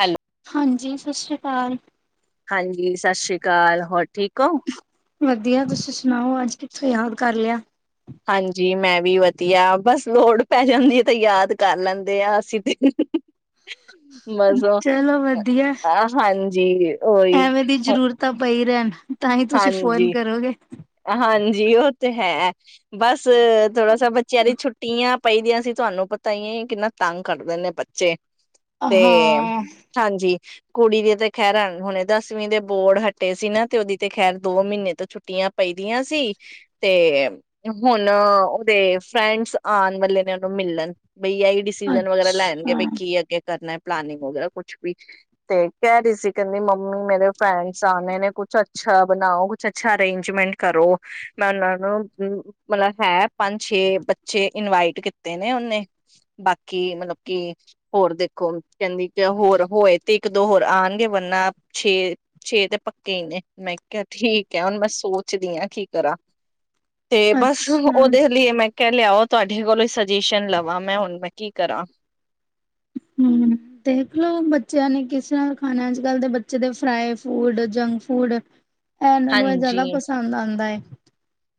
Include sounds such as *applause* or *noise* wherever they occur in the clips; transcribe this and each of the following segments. Hello. ਹਾਂਜੀ ਸਤਿ ਸ੍ਰੀ ਕਾਲ। ਹਾਂਜੀ ਸਤਿ ਸ੍ਰੀ ਕਾਲ। ਹੋਰ ਠੀਕ ਔ? ਵਧੀਆ। ਤੁਸੀ ਸੁ ਨਾਔ? ਅੱਜ ਕਿੱਥੋਂ ਯਾਦ ਕਰ ਲਿਆ। ਹਾਂਜੀ ਮੈਂ ਵੀ ਵਧੀਆ। ਬਸ ਲੋੜ ਪੈ ਜਾਂਦੀ ਏ ਤੇ ਯਾਦ ਕਰ ਲੈਂਦੇ ਆਂ, ਅਸੀਂ ਤੇ। ਮੈਂ ਸੋ ਚਲੋ ਵਧੀਆ ਖਾਨਾ ਖਾ ਰੀ ਜੀ। ਐਵੇਂ ਦੀ ਜ਼ਰੂਰਤਾਂ ਪਈ ਰੈਨ ਤਾਂ ਹੀ ਤੁਸੀਂ ਫੋਨ ਕਰੋਗੇ। ਜੀ, ਔ ਤੇ ਹੈ, ਬਸ ਫ ਥੋੜਾ ਸਾ ਬੱਚਿਆਂ ਦੀ ਛੁੱਟੀਆਂ ਪਈ ਦੀਆਂ ਸੀ ਤੁਆਨੂੰ ਪਤਾ ਈ ਏ ਕਿੰਨਾ ਤੰਗ ਕਰਦੇ ਨੇ ਬੱਚੇ। ਤੇ ਹਾਂ ਹਾਂਜੀ ਕੁੜੀ ਦੀ ਤੇ ਖਹਿਰਾਂ ਹੁਣੇ ਦਸਵੀਂ ਦੇ ਬੋਰਡ ਹਟੇ ਸੀ ਨਾ ਤੇ ਉਹਦੀ ਤੇ ਖੈਰ ਦੋ ਮਹੀਨੇ ਤੋਂ ਛੁੱਟੀਆਂ ਪਈਦੀਆਂ ਸੀ। ਤੇ ਹੁਣ ਓਦੇ ਫਰੈਂਡਸ ਆਣ ਵਾਲੇ ਨੇ ਉਹਨੂੰ ਮਿਲਣ ਬਈ ਇਹੀ ਡਿਸੀਜਨ ਵਗੈਰਾ ਲੈਣਗੇ ਅੱਛਾ ਬੀ ਕੀ ਅੱਗੇ ਕਰਨਾ। ਪੈਲਿੰਗ ਵਗੈਰਾ ਕੁਛ ਵੀ ਤੇ ਕਹਿ ਰਹੀ ਸੀ ਕਹਿੰਦੀ ਮੰਮੀ ਮੇਰੇ ਫਰੈਂਡਸ ਆਣੇ ਨੇ ਕੁਛ ਅਛਾ ਬਣਾਓ ਕੁਛ ਅੱਛਾ ਅਰੇਂਜਮੈਂਟ ਕਰੋ ਮੈਂ ਉਹਨਾਂ ਨੂੰ ਮਤਲਬ ਹੈ ਪੰਜ ਛੇ ਬੱਚੇ ਇਨਵਾਈਟ ਕੀਤੇ ਨੇ ਉਹਨੇ ਬਾਕੀ ਮਤਲਬ ਕਿ ਹੋਰ ਦੇਖੋ ਕਹਿੰਦੀ ਹੋਰ ਹੋਏ ਤੇ ਇੱਕ ਦੋ ਹੋਰ ਆਣਗੇ ਵਰਨਾ ਛੇ ਛੇ ਤੇ ਪੱਕੇ ਹੀ ਨੇ। ਮੈਂ ਕਿਹਾ ਠੀਕ ਹੈ ਹੁਣ ਮੈਂ ਸੋਚਦੀ ਹਾ ਕੀ ਕਰਾਂ। ਤੇ ਬਸ ਅੱਛਾ ਉਹਦੇ ਲਈ ਮੈਂ ਕਹਿ ਲਿਆ ਉਹ ਤੁਹਾਡੇ ਕੋਲੋਂ ਸਜੈਸ਼ਨ ਲਵਾਂ ਮੈਂ ਹੁਣ ਮੈਂ ਕੀ ਕਰਾਂ। ਹੂੰ ਦੇਖਲੋ ਬੱਚਿਆਂ ਨੇ ਕਿਸ ਤਰ੍ਹਾਂ ਖਾਣਾ ਅੱਜ ਕੱਲ੍ਹ ਦੇ ਬੱਚੇ ਦੇ ਫਰਾਈ ਫੂਡ ਜੰਕ ਫੂਡ ਇਹ ਇਹਨਾਂ ਨੂੰ ਇਹ ਹਾਂਜੀ ਜ਼ਿਆਦਾ ਪਸੰਦ ਆਦਾ ਏ।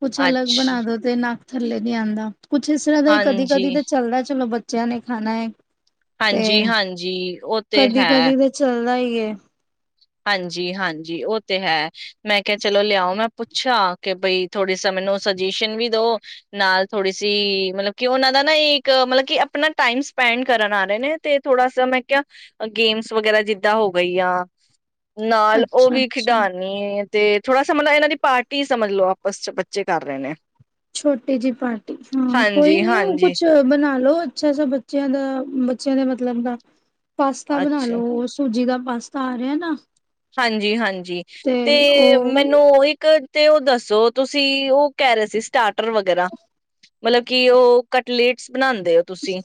ਕੁਛ ਅਲੱਗ ਅੱਛ ਬਣਾ ਦੋ ਤੇ ਨਾ ਥੱਲੇ ਨਹੀਂ ਆਂਦਾ। ਕੁਛ ਇਸ ਤਰ੍ਹਾਂ ਦਾ ਹੀ ਕਦੀ ਹਾਂਜੀ ਕਦੀ ਤਾਂ ਚੱਲਦਾ ਚਲੋ ਬੱਚੇ ਬੱਚਿਆਂ ਨੇ ਖਾਣਾ ਏ ਹਾਂਜੀ ਹਾਂਜੀ ਉਹ ਤੇ ਹੈ। ਕਦੀ ਤੇ *inaudible* ਹਾਂਜੀ ਹਾਂਜੀ ਉਹ ਤੇ ਹੈ ਮੈਂ ਕਿਹਾ ਚਲੋ ਲਿਆਓ ਮੈਂ ਪੁੱਛਾ ਕੇ ਬਈ ਥੋੜੀ ਸ ਮੈਨੂੰ ਸਜੇਸ਼ਨ ਵੀ ਦੋ ਨਾਲ ਥੋੜੀ ਸੀ ਮਤਲਬ ਕੀ ਓਹਨਾ ਦਾ ਨਾ ਇੱਕ ਮਤਲਬ ਕੀ ਆਪਣਾ ਟਾਈਮ ਸਪੈਂਡ ਕਰਨ ਆ ਰਹੇ ਨੇ ਤੇ ਥੋੜਾ ਸ ਮੈਂ ਕਿਹਾ ਗੇਮਸ ਵਗੈਰਾ ਜਿਦਾਂ ਹੋ ਗਈ ਆ। ਨਾਲ ਉਹ ਅੱਛਾ ਵੀ ਅੱਛਾ ਖਿਡਾਨੀ ਤੇ ਥੋੜਾ ਸਾ ਇਹਨਾਂ ਦੀ ਪਾਰਟੀ ਸਮਝ ਲੋ ਆਪਸ ਚ ਬੱਚੇ ਕਰ ਰਹੇ ਨੇ। ਛੋਟੀ ਜਿਹੀ ਪਾਰਟੀ ਹਾਂ ਕੋਈ ਨੀ ਹਾਂਜੀ-ਹਾਂਜੀ, ਕੁਛ ਬਣਾ ਲੋ ਅੱਛਾ ਸ ਬੱਚਿਆਂ ਦਾ ਬੱਚਿਆਂ ਦਾ ਮਤਲਬ ਦਾ। ਪਾਸਤਾ ਬਣਾ ਅੱਛਾ ਲੋ ਸੂਜੀ ਦਾ ਪਾਸਤਾ ਆ ਰਿਹਾ ਨਾ ਹਾਂਜੀ ਹਾਂਜੀ ਤੇ ਮੈਨੂੰ ਇੱਕ ਤੇ ਉਹ ਦੱਸੋ ਤੁਸੀਂ ਉਹ ਕਹਿ ਰਹੇ ਸੀ ਸਟਾਰਟ ਰ ਵਗੈਰਾ ਮਤਲਬ ਕਿ ਉਹ ਕਟਲੇਟਸ ਬਣਾਉਂਦੇ ਹੋ ਤੁਸੀਂ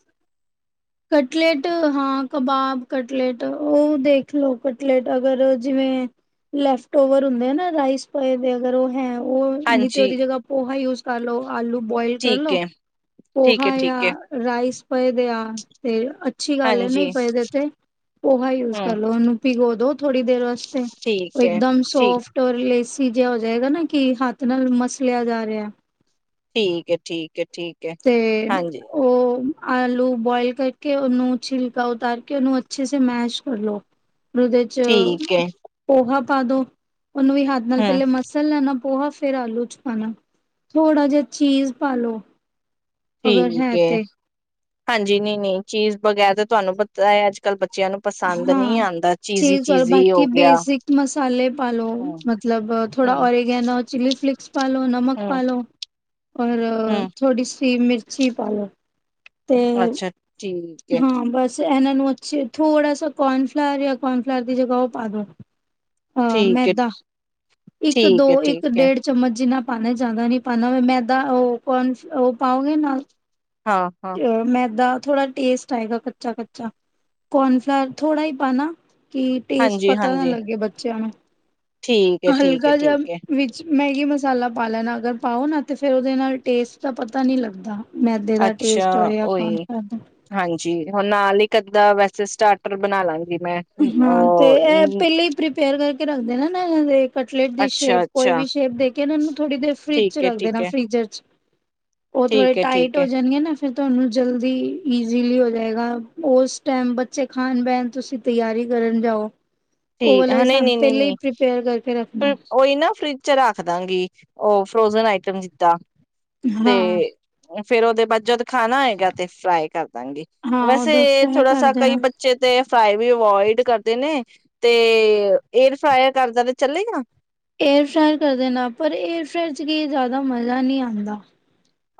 ਕਟਲੇਟ ਹਾਂ ਕਬਾਬ ਕਟਲੇਟ ਉਹ ਦੇਖ ਲੋ ਕਟਲੇਟ ਅਗਰ ਜਿਵੇਂ ਲੈਫਟ ਓਵਰ ਹੁੰਦੇ ਆ ਨਾ ਰਾਈਸ ਪਾਏ ਦੇ ਅਗਰ ਉਹ ਹੈ ਉਹ ਨੀ ਤੇ ਹਾਂਜੀ ਉਹਦੀ ਜਗ੍ਹਾ ਪੋਹਾ ਯੂਜ਼ ਕਰ ਲੋ ਆਲੂ ਬੋਇਲ ਕਰ ਠੀਕ ਲੋ ਹੈ ਠੀਕ ਹੈ ਪੋਹਾ ਯਾ ਠੀਕ ਹੈ ਰਾਈਸ ਪਏਦੇ ਆ ਤੇ ਅੱਛੀ ਗੱਲ ਏ ਨਹੀਂ ਹਾਂਜੀ ਪਏਦੇ ਤੇ ਪੋਹਾ ਯੂਜ ਹਮ ਕਰਲੋ ਉਹਨੂੰ ਭਿਗੋ ਦੋ ਥੋੜੀ ਦੇਰ ਵਸ *inaudible* ਉਹ ਠੀਕ ਹੈ ਇੱਕਦਮ ਠੀਕ ਸੋਫਟ ਔਰ ਲੇਸ ਭੀਜਿਆ ਹੋ ਜਾਏਗਾ ਨਾ ਕਿ ਹੱਥ ਨਾਲ ਮਸਲਿਆ ਜਾ ਰਿਹਾ ਠੀਕ ਏ ਠੀਕ ਹੈ ਠੀਕ ਹੈ ਤੇ ਹਾਂਜੀ ਉਹ ਆਲੂ ਬੁਇਲ ਕਰਕੇ ਉਹਨੂੰ ਛਿਲਕਾ ਉਤਾਰ ਕੇ ਉਹਨੂੰ ਅੱਛੇ ਸ ਮੈਸ਼ ਕਰ ਲੋ ਉਹਦੇ ਚ ਠੀਕ ਹੈ ਪਹਾ ਪਾਦੋ ਉਹਨੂੰ ਵੀ ਹੱਦ ਨਾਲ ਹਮ ਪਹਿਲੇ ਮਸਲ ਲੈਣਾ ਪੋਹਾ ਫੇਿਰ ਆਲੂ ਚ ਪਾਣਾ ਥੋੜਾ ਜਿਹਾ ਚੀਜ਼ ਪਾਾਲੋ ਅਗਰ ਹੈ ਤੇ ਹਾਂਜੀ ਨਹੀਂ ਨਹੀਂ ਚੀਜ਼ ਵਗੈਰ ਤਾਂ ਤੁਹਾਨੂੰ ਪਤਾ ਹੈ ਅੱਜ ਕੱਲ੍ਹ ਬੱਚਿਆਂ ਨੂੰ ਪਸੰਦ ਹਾਂ ਨਹੀਂ ਆਉਂਦਾ ਚੀਜ਼ੀ ਚੀਜ਼ ਪਾੋ ਚੀਜ਼ੀ ਹੋ ਬਾਕੀ ਗਿਆ ਬੇਸਿਕ ਮਸਾਲੇ ਪਾ ਲ ਲੋ ਹਮ ਮਤਲਬ ਥੋੜਾ ਹਮ ਓਰਗੈਨਾ ਚਲੀ ਫਲਿਕਸ ਪਾ ਲ ਲੋ ਨਮਕ ਹਮ ਪਾ ਲ ਲੋ ਔਰ ਹਮ ਥੋੜੀ ਸੀ ਮਿਰਚ ਸ਼ੀ ਪਾਾਲੋ ਅੱਛਾ ਠੀਕ ਹੈ ਹਾਂ ਬੱਸ ਇਹਨਾਂ ਨੂੰ ਅੱਛੇ ਥੋੜਾ ਸ ਕੋਰਨਫਲਾਵਰ ਜਾਂ ਕੋਰਨਫਲਾਵਰ ਦੀ ਜਗ੍ਹਾ ਉਹ ਪਾ ਦੋ ਅਾਂ ਠੀਕ ਹੈ ਮੈਦਾ ਇੱਕ ਦੋ ਠੀਕ ਹੈ ਇੱਕ ਠੀਕ ਹੈ ਡੇਢ ਚਮਚ ਜਿੰਨਾ ਪਾਉਣਾ ਜਿਆਦਾ ਨਹੀਂੀ ਪਾਉਦਾ ਮੈਦਾ ਉਹ ਕੌਣ ਉਹ ਪਾਓਗੇ ਨਾਲ ਹਾਂ ਹਾਂ ਅ ਮੈਦਾਾਂ ਥੋੜਾ ਟੇਸਟ ਆਏਗਾ ਕੱਚਾ ਕੱਚਾ ਕੋਨਫਲਾਵਰ ਥੋੜਾ ਹੀ ਪਾਣਾ ਕੀ ਟੇਸਟ ਹਾਂਜੀ ਪਤਾ ਨਾ ਹਾਂਜੀ ਲੱਗੇ ਬੱਚਿਆਂ ਨੂੰ ਠੀਕ ਹੈ ਠੀਕ ਹੈ ਹਲਕਾ ਜਿਹਾ ਠੀਕ ਹੈ ਵਿੱਚ ਮੈਗੀ ਮਸਾਲਾ ਪਾ ਲੈਣਾ ਅਗਰ ਪਾਓ ਨਾ ਤਾਂ ਫਿਰ ਉਹਦੇ ਨਾਲ ਟੇਸਟ ਦਾ ਪਤਾ ਨਹੀਂ ਲੱਗਦਾ ਮੈਦੇ ਦਾ ਟੇਸਟ ਹੋਏ ਕੌਣ ਕਰਦਾ ਜੀ ਹੁਣ ਨਾਲ ਹੀ ਅੱਧਾਂ ਵੈਸੇ ਸਟਾਰਟਰ ਬਣਾ ਲਾਂਗੇ ਹਾਂ ਤੇ ਇਹ ਪਹਿਲੇਾਂ ਹੀ ਪ੍ਰੀਪੇਅਰ ਕਰਕੇ ਰੱਖਦੇ ਨਾ ਨਾ ਇਹਨਾਂ ਦੇ ਕਟਲੇਟ ਦੀ ਅੱਛਾ, ਸ਼ੇਪ ਕੋਈ ਅੱਛਾ ਵੀ ਸ਼ੇਪ ਦੇ ਕੇ ਇਹ ਨੂੰ ਥੋੜੀ ਦੇਰ ਫਰਿਜ ਚ ਠੀਕ ਹੈ, ਰੱਖ ਠੀਕ ਦੇਣਾ ਹੈ, ਫ੍ਰੀਜ਼ਰ ਚ ਉਹ ਥੋੜੇ ਠੀਕ ਹੈ, ਟਾਈਟ ਠੀਕ ਹੋ ਹੈ, ਜਾਣਗੇ ਨਾ ਫਿਰ ਤੁਹਾਨੂੰ ਜਲਦੀ ਈਜ਼ੀਲੀ ਹੋ ਜਾਏਗਾ ਉਸ ਟਾਈਮ ਬੱਚੇ ਖਾਣ ਪਹਿਣ ਤੁਸੀਂ ਤਿਆਰੀ ਕਰਨ ਜਾਓ ਉਹ ਠੀਕ ਵਾਲਾ ਹਾਂ ਹੀ ਨਹੀਂ ਸਾਨੂੰ ਨਹੀਂ ਨਹੀਂ ਪਹਿਲੇ ਹੀ ਪ੍ਰੀਪੇਅਰ ਕਰਕੇ ਰੱਖਣਾ ਨਹੀਂ ਉਹੀ ਨਾ ਫਰਿਜ ਚ ਰੱਖਦਾਂਗੀ ਉਹ ਫਰੋਜਨ ਆਈਟਮ ਜਿੱਤਾ ਹਾਂ ਫੇਰ ਉਹਦੇ ਬੱਜਦ ਖਾਣਾ ਹੈਗਾ ਤੇ ਫਰਾਈ ਕਰ ਦਾਂਗੇ। ਹਾਂ ਉਦੋਂ ਵੈਸੇ ਫਰਾਈ ਥੋੜਾ ਸ ਕਰ ਦੇਣਾ ਕਈ ਬੱਚੇ ਤੇ ਫਰਾਈ ਵੀ ਅਵੋਇਡ ਕਰ ਤੇ ਨੇ ਤੇ ਏਅਰ ਫਾਇਰ ਕਰਦਾ ਤੇ ਚੱਲੇਗਾ। ਏਅਰ ਫੈਰ ਕਰਦੇ ਨੇ ਪਰ ਏਅਰ ਫੈਰ ਚ ਕੀ ਜ਼ਿਆਦਾ ਮਜ਼ਾ ਨਹੀਂ ਆਉਂਦਾ।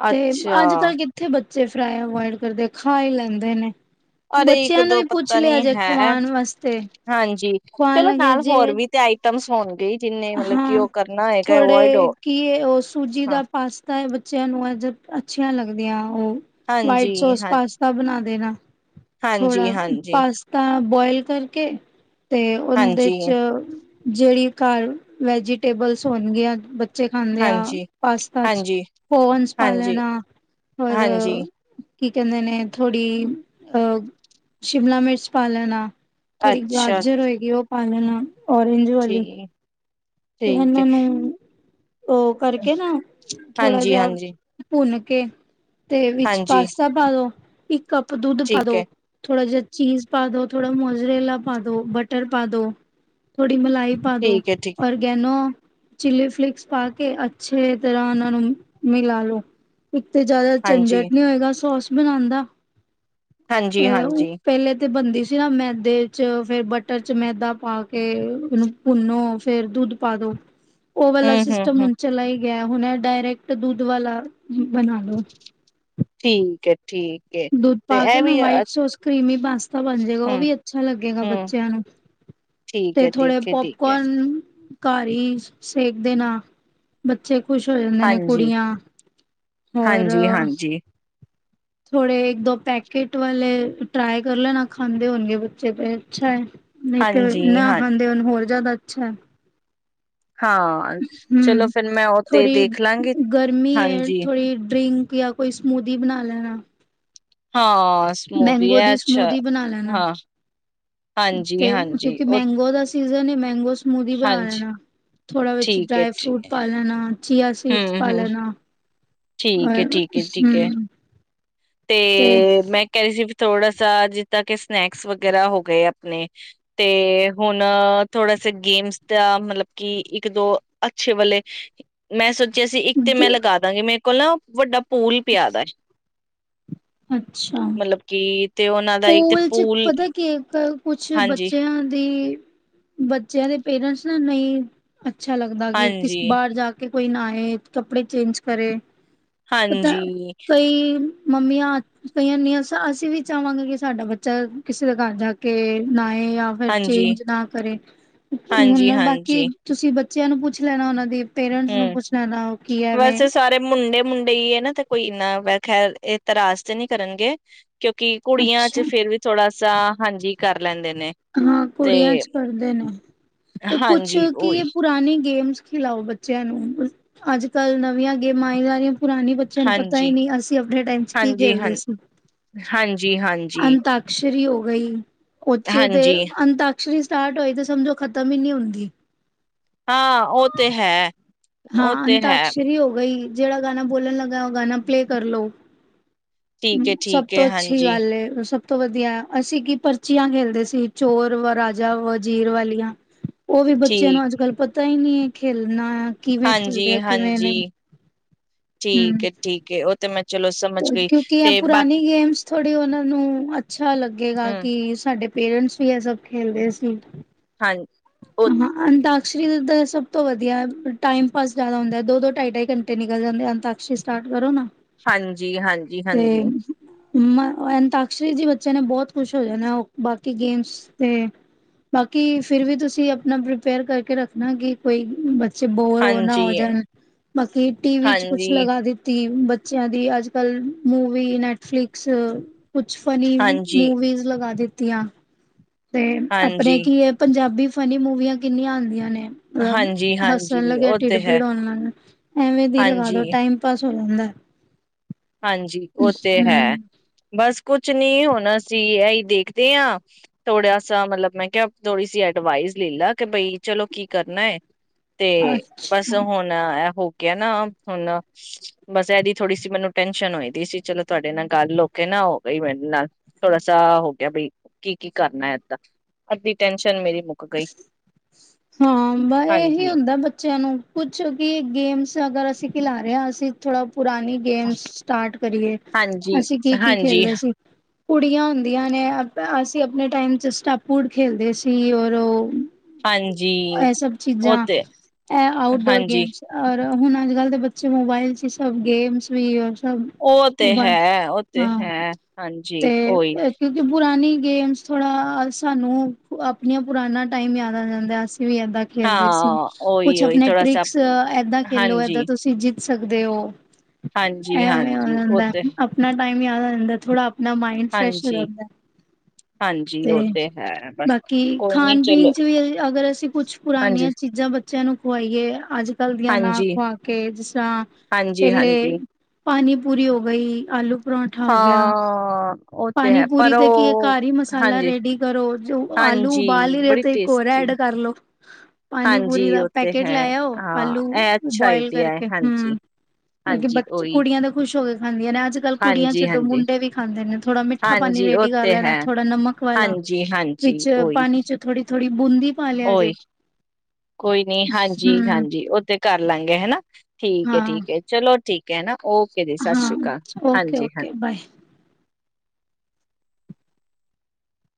ਤੇ ਅੱਛਾ, ਅੱਜ ਕਲ ਕਿੱਥੇ ਬੱਚੇ ਤੇ ਫਰਾਈ ਅਵਇਡ ਕਰਦੇ ਖਾ ਹੀ ਲੈਂਦੇ ਨੇ। ਅਰੇ ਇੱਕ ਬੱਚਿਆਂ ਨੂੰ ਦੋ ਵੀ ਪੁੱਛ ਪਤਾ ਲਿਆ ਜੇ ਖਵਾਣ ਵਾਸਤੇ। ਜੀ, ਖਵਾਉਣ ਚਲੋ ਲੱਗਿਆ ਨਾਲ ਜੇ ਹੋਰ ਵੀ ਤੇ ਆਈਟਮਸ ਹੁੰਦੀ ਹਾਂ ਥੋੜੇ ਹੋ ਕੀ ਉਹ ਸੂਜੀ ਹਾਂ। ਦਾ ਪਾਸਤਾ ਹੈ ਬੱਚਿਆਂ ਨੂੰ ਅ ਜਦ ਅੱਛੀਆਂ ਲੱਗਦੀਆਂ। ਵਾਈਟ ਹਾਂਜੀ ਸੋਸ ਹਾਂ ਪਾਸਤਾ ਬਣਾ ਦੇ ਨਾ ਹਾਂਜੀ ਥੋੜਾ ਹਾਂਜੀ ਪਾਸਤਾ ਬੋਆਇਲ ਕਰਕੇ ਤੇ ਉਹਦੇ ਹਾਂਜੀ ਚ ਜਿਹੜੀ ਘਰ ਵੈਜੀਟੇਬਲਸ ਹੋਣਗੀਆਂ ਬੱਚੇ ਖਾਂਦੇ ਆ ਹਾਂਜੀ ਪਾਸਤਾ ਚ। ਹਾਂਜੀ ਓਵਨ ਚ ਪਾ ਹਾਂਜੀ ਲੈਣਾ ਹੋਰ ਹਾਂਜੀ ਕੀ ਕਹਿੰਦੇ ਨੇ ਥੋੜ੍ਹੀ ਅਹ ਸ਼ਿਮਲਾ ਮਿਰਚ ਪਾ ਲੈਣਾ ਥੋੜੀ ਅੱਛਾ ਗਾਜਰ ਹੋਏਗੀ ਉਹ ਪਾ ਲੈਣਾ ਔਰਂਜ ਵਾਲੀ ਠੀਕ ਤੇ ਠੀਕ ਇਹਨਾਂ ਹੈ। ਨੂੰ ਉਹ ਕਰਕੇ ਨਾ ਥੋੜਾ ਹਾਂਜੀ ਜਿਹਾ ਹਾਂਜੀ ਭੁੰਨ ਕੇ ਤੇ ਵਿੱਚ ਹਾਂਜੀ ਪਾਸਤਾ ਪਾ ਦੋ ਇੱਕ ਕੱਪ ਦੁੱਧ ਪਾ ਠੀਕ ਦੋ ਹੈ ਥੋੜਾ ਜਿਹਾ ਚੀਜ਼ ਪਾ ਦੋ, ਥੋੜਾ ਮੋਜਰੇਲਾ ਪਾ ਦੋ, ਬਟਰ ਪਾ ਦੋ, ਥੋੜਾ ਮਲਾਈ ਪਾ ਦੋ ਠੀਕ ਹੈ ਠੀਕ ਹੈ ਚੀਲੀਫਲੇਕਸ ਪਾ ਕੇ ਅੱਛੇ ਤਰ੍ਹਾਂ ਉਹਨਾਂ ਨੂੰ ਮਿਲਾ ਲੋੋ ਇੱਕ ਤੇ ਜਿਆਦਾ ਹਾਂਜੀ। ਝੰਜਟ ਨ ਹੋਏਗਾ ਸੋਸ ਬਣਾਦਾ ਹਾਂਜੀ ਤੇ ਹਾਂਜੀ ਪਹਿਲੇ ਤੇ ਬੰਦੀ ਨਾ ਮੈਦੇ ਚ ਫੇਰ ਬਟਰ ਚ ਮੈਦਾ ਪਾ ਕੇ ਉਹਨੂੰ ਭੁੰਨੋ ਫੇਰ ਦੁੱਧ ਪਾਦੋ। ਉਹ ਵਾਲਾ ਹਮ ਹਮ ਸਿਸਟਮ ਹਮ ਹੁਣ ਚਲਾ ਗਿਆ ਹੁਣ ਡਾਇਰੈਕਟ ਦੁੱਧ ਵਾਲਾ ਬਣਾ ਲੋੋ। ਠੀਕ ਹੈ ਠੀਕ ਹੈ। ਦੁੱਧ ਪਾ ਤੇ ਕੇ ਇਹ ਨਾ ਵੀ ਵਾਈਟ ਹਮ ਸੋਸ ਕਰੀਮੀ ਪਾਸਤਾ ਬਣ ਜਾਏਗਾ ਉਹ ਵੀ ਅੱਛਾ ਲੱਗੇਗਾ ਹਮ ਬੱਚਿਆਂ ਨੂੰ ਠੀਕ ਤੇ ਹੈ ਥੋੜੇ ਠੀਕ ਹੈ ਠੀਕ ਹੈ ਪੋਪਕੋਰਨ ਘਰ ਹੀ ਸੇਕਦੇ ਨਾ ਬੱਚੇ ਖੁਸ਼ ਹੋ ਜਾਂਦੇ ਨੇ ਹਾਂਜੀ। ਕੁੜੀਆਂ ਹੋਰ ਹਾਂਜੀ ਹਾਂਜੀ ਥੋੜੇ ਇੱਕ ਦੋ ਪੈਕੇਟ ਵਾਲੇ ਟਰਾਈ ਕਰ ਲੈਣਾ ਖਾਂਦੇ ਹੋਣਗੇ ਬੱਚੇ ਤੇ ਅੱਛਾ ਹੈ। ਨਹੀਂ ਤੇ ਹਾਂਜੀ ਨਾ ਹਾਂ ਖਾਂਦੇ ਉਹਨੂੰ ਹੋਰ ਜ਼ਿਆਦਾ ਅੱਛਾ ਹਾਂ ਚਲੋ ਹਮ ਫਿਰ ਮੈਂ ਉਹ ਤੇ ਥੋੜੀ ਦੇਖ ਲਾਂਗੀ ਗਰਮੀ ਹੈ ਹਾਂਜੀ। ਥੋੜੀ ਡਰਿੰਕ ਜਾਂ ਕੋਈ ਸਮੂਦੀ ਬਣਾ ਲੈਣਾ। ਹਾਂ ਸਮੂਦੀ ਮੈਂਗੋ ਹੈ ਦੀ ਅੱਛਾ ਸਮੂਦੀ ਬਣਾ ਲੈਣਾ। ਹਾਂ ਤੇ ਹਾਂਜੀ ਹਾਂਜੀ ਕਿਉਂਕਿ ਉਹ ਮੈਂਗੋ ਦਾ ਸੀਜ਼ਨ ਹੈ ਮੈਂਗੋਸ ਸਮੂਦੀ ਹੀ ਬਣਾ ਹਾਂਜੀ ਦੇਣਾ। ਥੋੜ੍ਹਾ ਵਿੱਚ ਠੀਕ ਹੈ ਡਰਾਈ ਫਰੂਟ ਪਾ ਲੈਣਾ ਚੀਆਸੀਡਸ ਹਮ ਪਾ ਹਮ ਲੈਣਾ ਠੀਕ ਹੈ ਹੋਰ ਠੀਕ ਹੈ ਠੀਕ ਹੈ ਹੂੰ ਤੇ ਮੈਂ ਕਹਿ ਰਹੀ ਸੀ ਥੋੜਾ ਸਾ ਜਿੱਦਾਂ ਕਿ ਸਨੈਕਸ ਵਗੈਰਾ ਹੋ ਗਏ ਆਪਣੇ ਤੇ ਹੁਣ ਥੋੜਾ ਸਾ ਗੇਮਸ ਦਾ ਮਤਲਬ ਕਿ ਇੱਕ ਦੋ ਅੱਛੇ ਵਾਲੇ ਮੈਂ ਸੋਚ ਅਸੀਂ ਇੱਕ ਤੇ ਮੈਂ ਗੇ ਲਗਾ ਦਾਂਗੀ ਮੈ ਕੋਲਾਂ ਵੱਡਾ ਪੂਲ ਪਿ ਆਦਾ ਵਾ। ਅੱਛਾ ਤੇ ਉਹਨਾਂ ਦਾ ਇੱਕ ਤੇ ਪੂਲ ਚ ਪਤਾ ਕੀ ਕੁਛ ਹਾਂਜੀ ਬੱਚਿਆਂ ਦੀ ਬੱਚਿਆਂ ਦੇ ਪੇਰੈਂਟਸ ਨਾ ਨਹੀਂ ਅੱਛਾ ਲੱਗਦਾ ਕਿ ਕਿਸ ਹਾਂਜੀ ਬਾਹਰ ਜਾ ਕੇ ਕੋਈ ਨਾ ਆ ਕੱਪੜੇ ਚੇਂਜ ਕਰੇ ਪਤਾ ਹਾਂਜੀ, ਕਈ ਮੰਮੀ ਆ ਕਈਆਂਨੀ ਅਸੀਂ ਵੀ ਚਾਹਵਾਂਗੇ ਸਾਡਾ ਬੱਚਾ ਕਿਸੇ ਦੇ ਘਰ ਜਾ ਕੇ ਨਾ ਜਾਂ ਫਿਰ ਹਾਂਜੀ, ਚੇਂਜ ਨਾ ਕਰੇ ਹਾਂਜੀ, ਹੁਣ ਬਾਕੀ ਹਾਂਜੀ ਤੁਸੀਂ ਬੱਚਿਆਂ ਨੂੰ ਪੁੱਛ ਲੈਣਾ ਉਹਨਾਂ ਦੀ ਹਮ ਵੈਸੇ ਸਾਰੇ ਮੁੰਡੇ ਮੁੰਡੇ ਹੀ ਹੈ ਨਾ ਤੇ ਕੋਈ ਇਨਾ ਵੈਸੇ ਖੈਰ ਇਹਤਰਾਜ਼ ਤੇ ਨਹੀਂੀ ਕਰਨਗੇ ਕਿਉਂਕਿ ਕੁੜੀਆਂ ਚ ਅੱਛਾ ਫੇਰ ਵੀ ਥੋੜਾ ਹਾਂਜੀ ਕਰ ਲੈਂਦੇ ਨੇ ਹਾਂ ਤੇ ਕੁੜੀਆਂ ਚ ਕਰਦੇ ਨੇ ਤੇ ਕੁਛ ਹਾਂਜੀ ਕੀ ਓਈ ਹੈ ਪੁਰਾਣੀ ਗੇਮਸ ਖਿਲਾਓ ਬੱਚਿਆਂ ਨੂੰ ਅੱਜ ਕੱਲ ਨਵੀਆਂ ਗੇਮਾਂ ਆਇ ਜਾ ਰਹੀਆਂ ਨੇ ਪੁਰਾਣੇ ਬੱਚਿਆਂ ਨੂੰ ਪਤਾ ਹੀ ਹਾਂਜੀ, ਨਹੀਂ ਅਸੀਂ ਆਪਣੇ ਟਾਈਮ ਚ ਕੀ ਹਾਂਜੀ, ਹਾਂ ਖੇਲਦੇ ਸੀ ਹਾਂਜੀ ਹਾਂਜੀ, ਅੰਤਾਕਸ਼ਰੀ ਹੋ ਗਈ ਕੁੱਚ ਤੇ ਹਾਂਜੀ ਅੰਤਾਕਸ਼ਰੀ ਸਟਾਰਟ ਹੋਈ ਤੇ ਸਮਝੋ ਖਤਮ ਹੀ ਨਹੀਂੀ ਹੁੰਦੀ ਹਾਂ ਉਹ ਤੇ ਹੈ ਓ ਹਾਂ ਤੇ ਹੈ ਅੰਤਾਸ਼ਰੀ ਹੋ ਗਈ ਜਿਹੜਾ ਗਾਣਾ ਬੋਲਣ ਲਗਾ ਗਾਣਾ ਪਲੇ ਕਰ ਲੋ ਠੀਕ ਏ, ਸਭ ਠੀਕ ਏ ਤੋਂ ਅੱਛੀ ਹਾਂਜੀ ਗੱਲ ਸਭ ਸਭ ਤੋਂ ਵਧੀਆ ਅਸੀਂ ਕੀ ਪਰਚੀਆਂ ਖੇਲਦੇ ਸੀ ਚੋਰ ਵ ਰਾਜਾ ਵ ਜੀਰ ਵਾਲੀਆਂ ਉਹ ਵੀ ਬੱਚਿਆਂ ਨੂੰ ਠੀਕ ਅੱਜ ਕੱਲ੍ਹ ਤਾਂ ਹੀ ਨਹੀਂੀ ਖੇਲਣਾ ਕਿਵੇਂ ਹਾਂਜੀ, ਖੇਲਦੇ ਆ ਕਿਵੇਂ ਹਾਂਜੀ ਨਹੀਂ ਠੀਕ ਹਮ ਏ ਠੀਕ ਏ ਉਹ ਤੇ ਮੈਂ ਚਲੋ ਸਮਝ ਗਈ ਕਿਉਂਕਿ ਆ ਤੇ ਬਾ ਪੁਰਾਣੀ ਗੇਮਸ ਥੋੜ੍ਹੀ ਉਹਨਾਂ ਨੂੰ ਅੱਛਾ ਲੱਗੇਗਾ ਹੂੰ ਕਿ ਸਾਡੇ ਪੇਰੈਂਟਸ ਵੀ ਇਹ ਸਭ ਖੇਲਦੇ ਸੀ ਹਾਂ ਓ ਅਹਾਂ ਅਨਤਾ- ਕਸ਼ਰੀ ਦਾ ਸਭ ਤੋਂ ਵਧੀਆ, ਟਾਈਮ ਪਾਸ ਜ਼ਿਆਦਾ ਹੁੰਦੈ। ਦੋ ਦੋ ਢਾਈ ਢਾਈ ਘੰਟੇ ਨਿਕਲ ਜਾਂਦੇ ਅੰਤਾਕਸ਼ਰੀ ਸਟਾਰਟ ਕਰੋ ਨਾ ਹਾਂਜੀ, ਹਾਂਜੀ, ਹਾਂਜੀ। ਅਮ-ਅ ਅੰਤਾਕਸ਼ਰੀ ਚੇ ਬੱਚਿਆਂ ਨੇ ਬਹੁਤ ਖੁਸ਼ ਹੋ ਜਾਣਾ ਐ, ਅ ਬਾਕੀ ਗੇਮਸ ਤੇ ਬਾਕੀ ਫਿਰ ਵੀ ਤੁਸੀਂ ਆਪਣਾ ਪ੍ਰੀਪੇਅਰ ਕਰਕੇ ਰੱਖਣਾ ਕਿ ਕੋਈ ਅਮ-ਬ ਚੇ ਬੋਰ ਹੋ ਨਾ ਹੋ ਜਾਣ। ਬਾਕੀ ਟੀਵੀ ਚ ਕੁਛ ਹਾਂਜੀ, ਲਗਾ ਦਿੱਤੀ। ਅਮ ਬ ਬੱਚਿਆਂ ਦੀ ਅੱਜ ਕਲ ਮੂਵੀ, ਨੈਟਫਲਿਕਸ ਕੁਛ ਫਨੀ ਹਾਂਜੀ, ਹਾਂਜੀ, ਮੂਵੀਜ਼ ਲਗਾ ਦਿ। ਤੀਆਂ। ਤੇ ਆਪਣੇ ਹਾਂਜੀ, ਕੀ ਐ ਪੰਜਾਬੀ ਫ ਫਨੀ ਮੂਵੀਆਂ ਕਿੰਨੀਆਂ ਆਂਦੀਆਂ ਨੇ ਤਲਬ ਹਾਂਜੀ, ਹੱਸਣ ਹਾਂਜੀ ਲੱਗਿਆ, ਉਹ ਢਿੱਡ ਤੇ ਹੈ ਪੀੜ ਹੋਣ ਲ, ਐਵੇਂ ਦੀ ਲਗਾ ਹਾਂਜੀ, ਦੋ ਟਾਈਮ ਪਾਸ। ਹੋਂਦਾ ਐ। ਹਾਂਜੀ ਉਹ ਤੇ ਹੈ। ਬਸ ਕੁਛ ਨੀ ਹੁਣ ਚੀ ਏਹ ਈ ਦੇਖਦੇ ਆਂ, ਥੋੜੇਆ ਸਾ ਮਤਲਬ, ਮੈਂ ਕਿਆ ਥੋੜੀ ਸੀ ਐਡਵਾਈਸ ਲੈ ਲਾ, ਕੇ ਬਈ ਚਲੋ ਕੀ ਕਰਨਾ ਏ। ਤੇ ਬਸ ਅੱਛਾ ਹੁਣ ਏਹੋ ਕਿਆ ਨਾ ਹੁਣ, ਬਸ ਏਹਦੀ ਥੋੜੀ ਸੀ ਮੈਨੂੰ ਟੈਸ਼ਨ ਹੋਈ ਦੀ ਸੀ। ਚਲੋ ਤੁਹਾਡੇ ਨਾਲ ਗੱਲ ਹੋ ਕੇ ਨਾ ਹੋ ਗਈ ਮੇਰੇ ਨਾਲ। ਥੋੜਾ ਸਾ ਹੋ ਗਿਆ, ਬਈ ਕੀ ਕੀ ਕਰਨਾ ਐਦਾ। ਅੱਧੀ ਟੈਸ਼ਨ ਮੇਰੀ ਮੁੱਕ ਗਈ ਹਾਂ ਬਾ ਏਹੀ ਹਾਂਜੀ ਹੁੰਦਾ ਬੱਚਿਆਂ ਨੂੰ, ਕੁਛ ਕੀ ਗੇਮਸ ਅਗਰ ਅਸੀਂ ਖਿਲਾ ਰੇ ਆਂ, ਅਸੀਂ ਥੋੜਾ ਪੁਰਾਣੀ ਗੇਮਸ ਸਟਾਰਟ ਕਰੀਏ। ਹਾਂਜੀ ਅਸੀਂ ਕੀ ਕੀ ਹਾਂਜੀ ਖੇਲਦੇ ਸੀ। ਕੁੜੀਆਂ ਹੁੰਦੀਆਂ ਨੇ ਅ-ਬ-ਅਸ ਸੀਂ ਆਪਣੇ ਟਾਈਮ ਚ ਸਟੈਪੂਡ ਖੇਲਦੇ ਸੀ। ਔਰ ਰੋ ਹਾਂਜੀ ਏਹ ਸਭ ਉਹ ਚੀਜ਼ਾਂ, ਤੇ ਏਹ ਆਊਟਡੋਰ ਹਾਂਜੀ ਗੇਮਸ। ਅ ਹੁਣ ਅੱਜ ਕੱਲ੍ਹ ਦੇ ਬੱਚੇ ਮੋਬਾਇਲ ਚ ਈ ਸਭ ਗੇਮਸ ਵੀ, ਔਰ ਸਭ ਓਹ ਤੇ ਮੋਬਾਇਲ ਹੈ। ਉਹ ਤੇ ਹਾਂ ਹੈ, ਤੇ ਹਾਂਜੀ ਓ ਈ। ਕਿਉਂਕਿ ਪੁਰਾਣੀ ਗੇਮਸ ਥੋੜਾ ਸਾਨੂੰ ਆਪਣੀਆਂ ਪੁਰਾਣਾ ਟਾਈਮ ਯਾਦ ਆ ਜਾਂਦੈ, ਅਸੀਂ ਵੀ ਏਦਾਂ ਹਾਂ ਖੇਲਦੇ ਸੀ। ਕੁਛ ਉਹੀ ਉਹੀ ਆਪਣੇ ਥੋੜਾ ਸ ਟ੍ਰਿਕਸ ਏਦਾਂ ਖੇਲੋ ਏਦਾਂ ਹਾਂਜੀ ਤੁਸੀਂ ਜਿੱਤ ਸਕਦੇ ਓ। ਹਾਂਜੀ ਐਵੇਂ ਹੋ ਹਾਂਜੀ ਉਹ ਜਾਂਦੈ। ਤੇ ਅਪਨਾ ਟਾਈਮ ਆ ਜਾਂਦੈ ਥੋੜ੍ਹਾ ਅਪ ਨਾ ਮਾਇੰਡ ਫਰੈਸ਼ ਹੋ ਹਾਂਜੀ ਜਾਂਦਾ ਐ ਹਾਂਜੀ ਉਹ ਤੇ ਹੈ ਬਸ ਬਾਕੀ। ਕੋਈ ਨੀ ਖਾਣ ਪੀਣ ਚਲੋ ਚ ਵੀ ਅ ਅਗਰ ਅਸੀਂ ਕੁਛ ਹਾਂਜੀ ਪੁਰਾਣੀਆਂ ਚੀਜ਼ਾਂ ਬਚ ਚਲੋ ਪਵਾਈਏ ਅੱਜ ਕੱਲ੍ਹ ਦੀਆਂ ਨਾ ਹਾਂਜੀ ਖਆ ਕੇ ਜਿਸ ਤਰ੍ਹਾਂ ਹਾਂਜੀ ਪਹਿਲੇ ਹਾਂਜੀ ਪਾਣੀ ਪੂਰੀ ਹੋ ਗਈ ਆਲੂ ਹਾਂ ਉਹ ਤੇ ਹੈ ਪਾਣੀਪੂਰੀ ਪਰ ਤੇ ਕੀ ਉਹ ਘਰ ਹੀ ਮਸਾਲਾ ਹਾਂਜੀ ਰੇਡੀ ਕਰੋ ਜੋ ਆਲੂ ਹਾਂਜੀ ਉਬਾਲ ਹੀ ਰਹੇ ਬੜੀ ਤੇ ਗੋਰਾ ਟੇਸਟੀ ਐਡ ਕਰ ਲੋ ਹਾਂਜੀ ਪਾਣੀਪੂਰੀ ਦਾ ਉਹ ਤੇ ਪੈਕੇਟ ਹੈ ਲੈ ਆਓ ਹਾਂ ਆਲੂ ਇਹ ਅੱਛਾ ਬਆਇਲ ਆਈਡੀਆ ਹੈ ਕਰਕੇ ਹਾਂਜੀ ਹਮ ਬ ਹਾਂਜੀ ਉਹੀ ਕੁੜੀਆਂ ਤੇ ਖੁਸ਼ ਹੋ ਗ ਖਾਂਦੀਆਂ ਨੇ ਅੱਜ ਕੱਲ੍ਹ ਕੁੜੀਆਂ ਹਾਂਜੀ ਛੱਡੋ ਹਾਂਜੀ ਮੁੰਡੇ ਵੀ ਖਾਂਦੇ ਨੇ ਥੋੜਾ ਮਿੱਠਾ ਪਾਣੀ ਹਾਂਜੀ ਉਹ ਰੇਡੀ ਕਰ ਤੇ ਲੈਣਾ ਹੈ ਥੋੜਾ ਨਮਕ ਵਾਲਾ ਹਾਂਜੀ ਹਾਂਜੀ ਵਿੱਚ ਉਹੀ ਪਾਣੀ ਚ ਥੋੜੀ ਥੋੜ੍ਹੀ ਬੂੰਦੀ ਪਾ ਲਿਆ ਜੇ ਉਹੀ ਕੋਈ ਨੀ ਹਾਂਜੀ ਹੂੰ ਹਾਂਜੀ ਉਹ ਤੇ ਘ ਲਾਂ ਗ ਗਿਆ ਹਨਾ ਅੱਛ ਠੀਕ ਹੈ ਹਾਂ ਠੀਕ ਹੈ ਚਲੋ ਠੀਕ ਕਨਾ ਹਾਂ ਓਕੇ ਹਾਂਜੀ ਓਕੇ ਬਾਏ